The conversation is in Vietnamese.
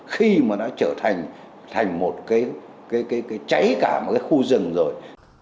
khi mà nó trở thành một cái cháy cả một cái khu rừng rồi